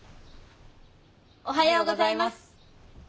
おはようございます。